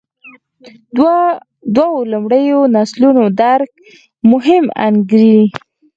دوو لومړیو نسلونو درک مهم انګېري.